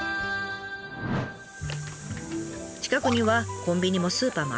近くにはコンビニもスーパーもありません。